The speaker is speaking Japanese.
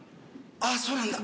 あっそうなんだ。